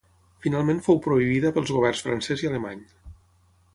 Finalment fou prohibida pels governs francès i alemany.